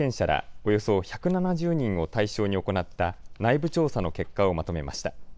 およそ１７０人を対象に行った内部調査の結果をまとめました。